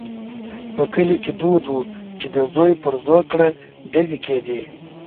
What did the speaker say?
په کلي کې دود وو چې د زوی پر زوکړه ډزې کېدې.